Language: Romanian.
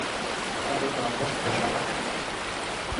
Poate că a fost greșeala mea.